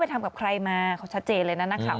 ไปทำกับใครมาเขาชัดเจนเลยนะนะคะ